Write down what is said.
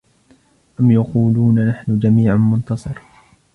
أَمْ يَقُولُونَ نَحْنُ جَمِيعٌ مُّنتَصِرٌ